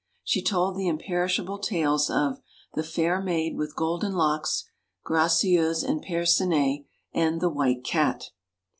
She told the imperish able tales of 'The Fair Maid with Golden Locks,' 'Gracieuse and Percinet,' and 'The White Cat.'